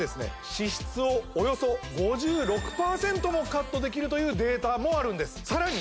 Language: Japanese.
脂質をおよそ５６％もカットできるというデータもあるんですさらに